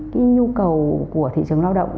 cái nhu cầu của thị trường lao động